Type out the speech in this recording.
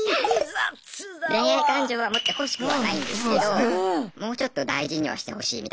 恋愛感情は持ってほしくはないんですけどもうちょっと大事にはしてほしいみたいな。